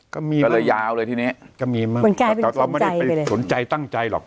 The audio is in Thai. ก็เลยยาวเลยทีนี้ก็มีมากก็เราไม่ได้ไปสนใจตั้งใจหรอก